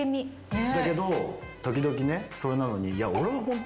だけど時々ねそれなのに。